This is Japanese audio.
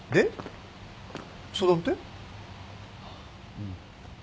うん。